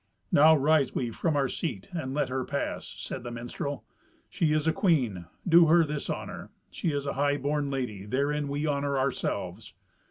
"Now rise we from our seat, and let her pass," said the minstrel. "She is a queen. Do her this honour; she is a high born lady. Therein we honour ourselves."